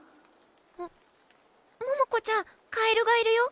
んっ桃子ちゃんカエルがいるよ。